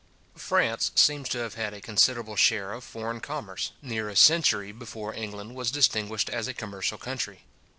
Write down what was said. France seems to have had a considerable share of foreign commerce, near a century before England was distinguished as a commercial country.